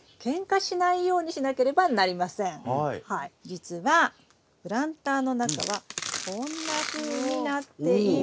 実はプランターの中はこんなふうになっています。